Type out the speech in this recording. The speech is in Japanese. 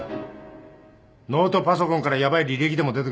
ノートパソコンからヤバい履歴でも出てくるのか。